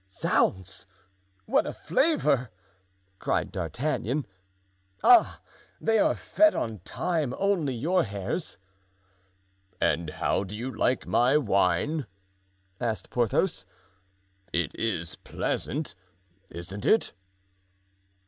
"Zounds! what a flavor!" cried D'Artagnan; "ah! they are fed on thyme only, your hares." "And how do you like my wine?" asked Porthos; "it is pleasant, isn't it?"